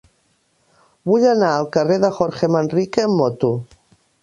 Vull anar al carrer de Jorge Manrique amb moto.